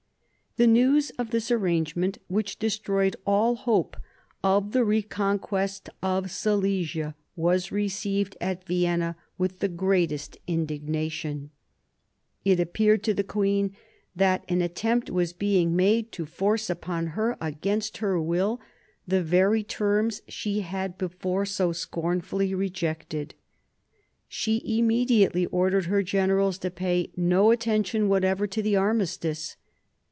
The news of this arrangement, which destroyed all hope of the reconquest of Silesia, was received at Vienna with the greatest indignation. 1743 45 WAR OF SUCCESSION 39 It appeared to the queen that an attempt was being made to force upon her, against her will, the very terms she had before so scornfully rejected. She immediately ordered her generals to pay no attention whatever to the armistice.